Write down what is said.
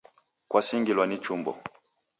Kwasingilwa ni chumbo